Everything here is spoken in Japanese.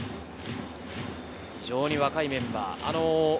非常に若いメンバー。